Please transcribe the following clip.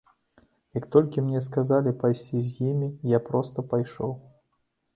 Як толькі мне сказалі пайсці з імі, я проста пайшоў.